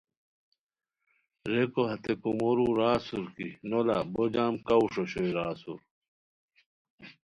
ریکو ہتےکومورو را اسور کی نولا بو جم کاوݰ اوشوئے را اسور